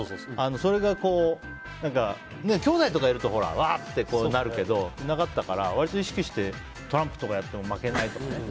それが、きょうだいとかいるとわってなるけどなかったから、割と意識してトランプとかやっても負けないとか